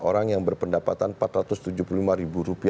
orang yang berpendapatan rp empat ratus tujuh puluh lima